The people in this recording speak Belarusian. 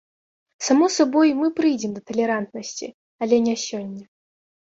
Само сабой, мы прыйдзем да талерантнасці, але не сёння.